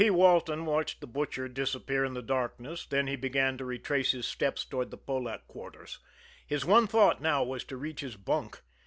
Walton watched the Butcher disappear in the darkness, then he began to retrace his steps toward the Polack quarters. His one thought now was to reach his bunk.